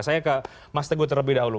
saya ke mas teguh terlebih dahulu